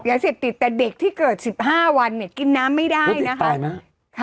ยาเสพติดแต่เด็กที่เกิด๑๕วันเนี่ยกินน้ำไม่ได้นะคะ